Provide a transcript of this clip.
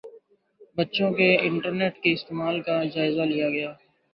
بچوں کے انٹرنیٹ کے استعمال کا جائزہ لیا گیا